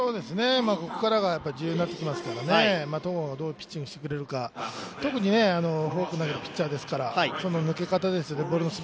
ここからが重要ですからね、戸郷がどういうピッチングをしてくれるか、特に、フォークがいいピッチャーですから落ち方、抜け方ですよね。